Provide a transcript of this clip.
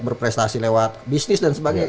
berprestasi lewat bisnis dan sebagainya